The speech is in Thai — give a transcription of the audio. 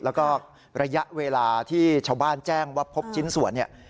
แล้วก็ระยะเวลาที่ชาวบ้านแจ้งว่าพบชิ้นส่วนเนี่ย